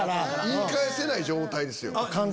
言い返せない状態ですよ。